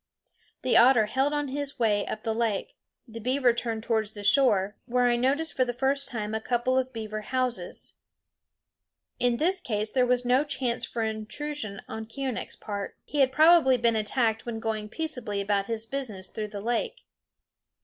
The otter held on his way up the lake; the beaver turned towards the shore, where I noticed for the first time a couple of beaver houses. In this case there was no chance for intrusion on Keeonekh's part. He had probably been attacked when going peaceably about his business through the lake.